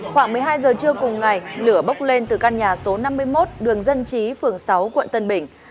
khoảng một mươi hai giờ trưa cùng ngày lửa bốc lên từ căn nhà số năm mươi một đường dân chí phường sáu quận tân bình